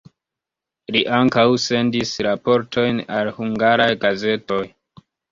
Li ankaŭ sendis raportojn al hungaraj gazetoj.